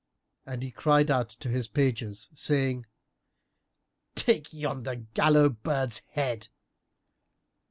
And he cried out to his pages, saying, "Take yonder gallows bird's head!"